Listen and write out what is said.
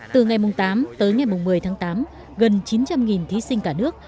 từ ngày tám tới ngày một mươi tháng tám gần chín trăm linh thí sinh cả nước